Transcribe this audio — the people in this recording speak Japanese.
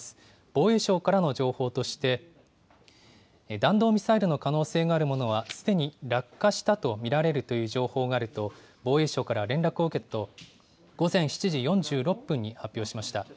防衛省からの情報として、弾道ミサイルの可能性があるものはすでに落下したと見られるという情報があると、防衛省から連絡を受けたと午前７時４６分に発表しました。